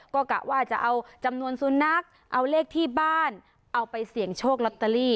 ก็กะว่าจะเอาจำนวนสุนัขเอาเลขที่บ้านเอาไปเสี่ยงโชคลอตเตอรี่